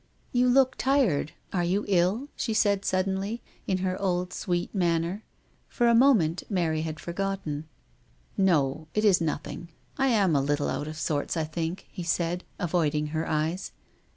" You look tired ; are you ill ?" she said suddenly, in her old sweet manner. For a moment Mary had forgotten. " No ; it is nothing. I am a little out of sorts, I think," he said, avoiding her eyes.